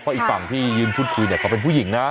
เพราะอีกฝั่งที่ยืนพูดคุยเนี่ยเขาเป็นผู้หญิงนะ